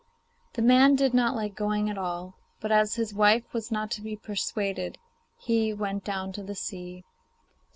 The man did not like going at all, but as his wife was not to be persuaded, he went down to the sea.